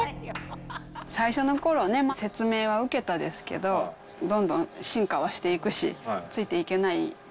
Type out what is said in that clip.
最初のころ、説明は受けたですけど、どんどん進化はしていくし、ついていけない。